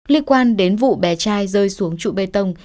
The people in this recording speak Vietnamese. liên quan đến vụ bé trai rơi xuống trụ bê tông